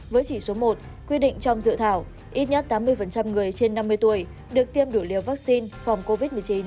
với chỉ số một quy định trong dự thảo ít nhất tám mươi người trên năm mươi tuổi được tiêm đủ liều vaccine phòng covid một mươi chín